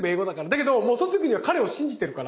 だけどもうその時には彼を信じてるから。